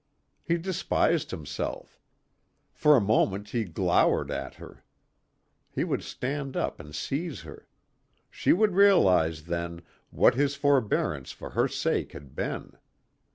He despised himself. For a moment he glowered at her. He would stand up and seize her. She would realize, then, what his forebearance for her sake had been.